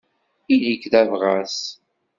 Ili-k d abɣas.